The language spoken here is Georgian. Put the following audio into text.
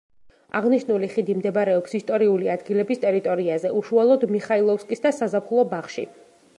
აღნიშნული ხიდი მდებარეობს ისტორიული ადგილების ტერიტორიაზე: უშუალოდ მიხაილოვსკის და საზაფხულო ბაღში.